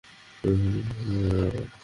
একটা সমস্যা হয়েছে, রবার্ট!